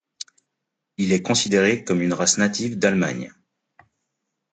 Il est considéré comme une race native d'Allemagne.